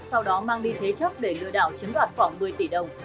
sau đó mang đi thế chấp để lừa đảo chiếm đoạt khoảng một mươi tỷ đồng